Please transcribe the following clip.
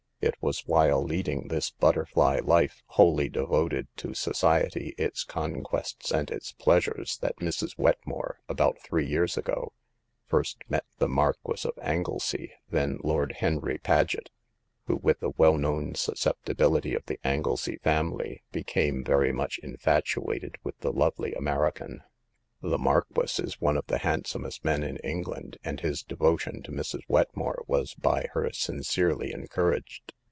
It was while leading this butterfly life, wholly devoted to society, its conquests and its pleasures, that Mrs. Wetmore, about three years ago, first met the Marquis of Anglesey, then Lord Henry Paget, who, with the well known susceptibility of the Anglesey family, became very much infatuated with the lovely American. The Marquis is one of the handsomest men in Eng land, and his devotion to Mrs. Wetmore was by her sincerely encouraged.